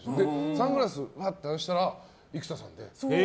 サングラスぱっと外したら生田さんで。